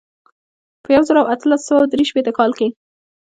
په یو زر او اتلس سوه درې شپېته کال کې.